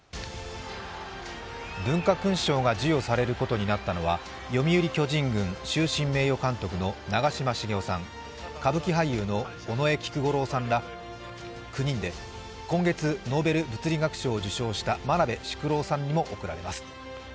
文化勲章が授与されることになったのは、読売巨人軍終身名誉監督の長嶋茂雄さん、歌舞伎俳優の尾上菊五郎さんら９人で今月ノーベル物理学賞を受章した真鍋淑郎さんにも贈られます。